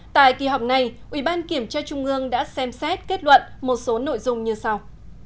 tại kỳ họp này ubkc đã xem xét kết luận một số nội dung như sau